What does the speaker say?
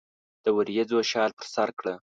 د وریځو شال پر سرکړه